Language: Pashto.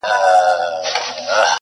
بل خوشاله په درملو وايي زېری مي درباندي-